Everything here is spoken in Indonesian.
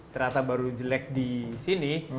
ternyata baru jelek di sini